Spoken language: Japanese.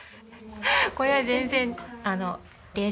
これは全然あの。